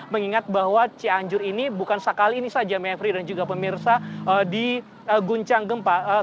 mengingat bahwa cianjur ini bukan sekali ini saja mevri dan juga pemirsa diguncang gempa